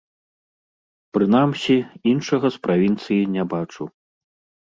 Прынамсі, іншага з правінцыі не бачу.